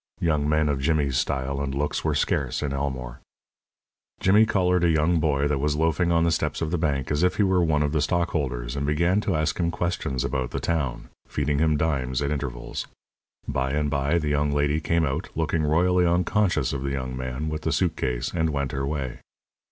Young men of Jimmy's style and looks were scarce in Elmore. Jimmy collared a boy that was loafing on the steps of the bank as if he were one of the stockholders, and began to ask him questions about the town, feeding him dimes at intervals. By and by the young lady came out, looking royally unconscious of the young man with the suit case, and went her way.